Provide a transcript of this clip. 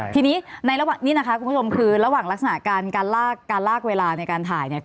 ทีนี้คุณสมคือระหว่างลักษณะการลากเวลาในการถ่าย